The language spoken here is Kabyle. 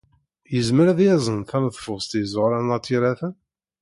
Yezmer ad yazen taneḍfust i Ẓuhṛa n At Yiraten?